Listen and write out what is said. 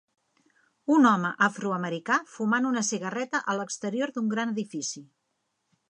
Un home afroamericà fumant una cigarreta a l'exterior d'un gran edifici.